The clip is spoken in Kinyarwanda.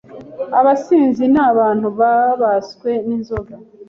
Abasinzi ni abantu babaswe ninzoga